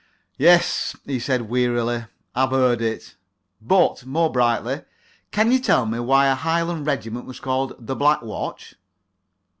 "Yes," he said wearily. "I've heard it. But" more brightly "can you tell me why a Highland regiment was called 'The Black Watch'?"